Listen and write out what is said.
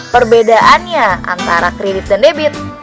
perbedaannya antara kredit dan debit